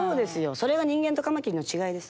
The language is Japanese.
それが人間とカマキリの違いです。